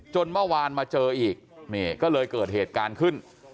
เมื่อวานมาเจออีกนี่ก็เลยเกิดเหตุการณ์ขึ้น